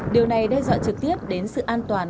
điều này đe dọa trực tiếp đến sự an toàn